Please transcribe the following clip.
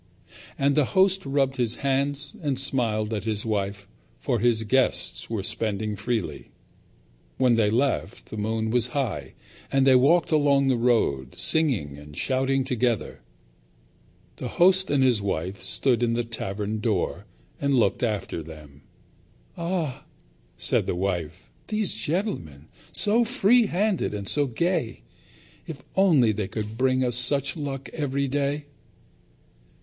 And the host rubbed his hands and smiled at his wife; for his guests were spending freely. When they left the moon was high, and they walked along the road singing and shouting together. The host and his wife stood in the tavern door and looked after them. "Ah!" said the wife, "these gentlemen! So freehanded and so gay! If only they could bring us such luck every day!